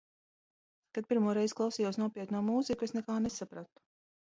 Kad pirmo reizi klausījos nopietno mūziku, es nekā nesapratu.